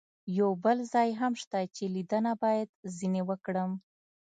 یو بل ځای هم شته چې لیدنه باید ځنې وکړم.